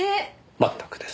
全くです。